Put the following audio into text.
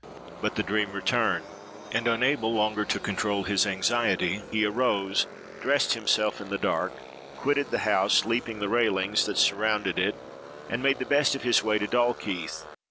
But the dream returned, and, unable longer to control his anxiety, he arose, dressed himself in the dark, quitted the house, leaping the railings that surrounded it, and made the best of his way to Dalkeith.